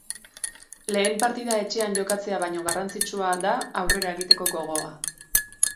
Lehen partida etxean jokatzea baino garrantzitsua da aurrera egiteko gogoa.